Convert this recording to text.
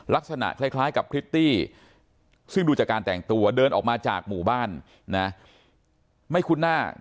ลักษณะคล้ายกับพริตตี้ซึ่งดูจากการแต่งตัวเดินออกมาจากหมู่บ้านนะไม่คุ้นหน้า